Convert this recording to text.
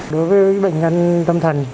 đối với bệnh nhân tâm thần